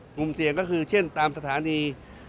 กลุ่มเสี่ยงก็คือเช่นตามสถานี